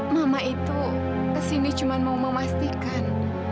mama itu kesini cuma mau memastikan